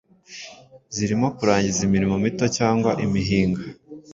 zirimo kurangiza imirimo mito cyangwa imihinga